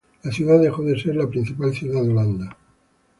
La ciudad dejó de ser la principal ciudad de Holanda.